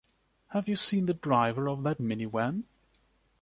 Have you seen the driver of that min-van?